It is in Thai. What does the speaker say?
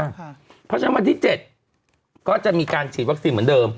เพราะฉะนั้นวันที่๗ก็จะมีการฉีดวัคซีนเหมือนเดิม